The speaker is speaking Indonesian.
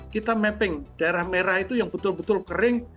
kita mapping daerah merah itu yang betul betul kering